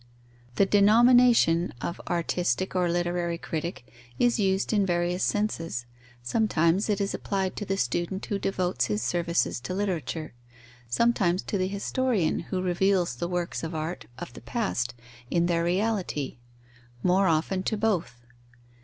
The denomination of artistic or literary critic is used in various senses: sometimes it is applied to the student who devotes his services to literature; sometimes to the historian who reveals the works of art of the past in their reality; more often to both.